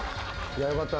よかった。